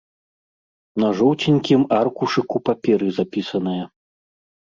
На жоўценькім аркушыку паперы запісаная.